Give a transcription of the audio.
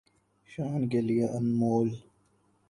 شان کے لئے انمول